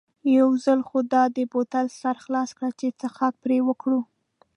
یو ځل خو دا د بوتل سر خلاص کړه چې څښاک پرې وکړو.